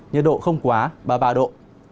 nhiệt độ không quá ba mươi ba độ